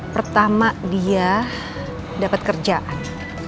pertama dia dapat kerjaan